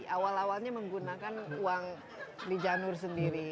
awal awalnya menggunakan uang di janur sendiri